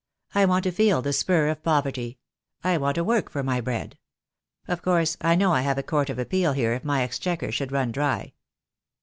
I want to feel the spur of poverty. I want to work for my bread. Of course I know I have a court of appeal here if my exchequer should run dry."